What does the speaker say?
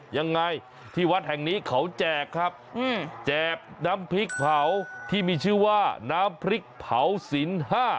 ยังไงที่วัดแห่งนี้เขาแจกครับแจกน้ำพริกเผาที่มีชื่อว่าน้ำพริกเผาสิน๕